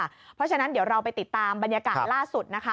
เพราะฉะนั้นเดี๋ยวเราไปติดตามบรรยากาศล่าสุดนะคะ